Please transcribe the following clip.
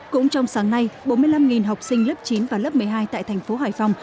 cũng trong sáng nay bốn mươi năm học sinh lớp chín và lớp một mươi hai tại thành phố hải phòng